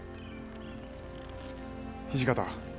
土方。